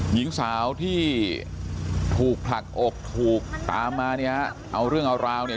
หญิงสาวที่ถูกผลักอกถูกตามมาเนี่ยเอาเรื่องเอาราวเนี่ย